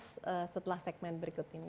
tapi kita bahas setelah segmen berikut ini